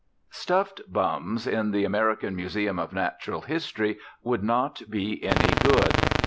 Stuffed bums in the American Museum of Natural History would not be any good.